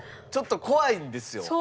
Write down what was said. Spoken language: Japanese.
ちょっと怖いんですよ。